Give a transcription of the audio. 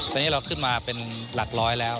ตอนนี้เราขึ้นมาเป็นหลักร้อยแล้ว